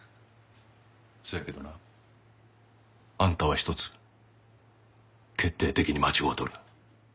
せやけどなあんたは一つ決定的に間違うとる。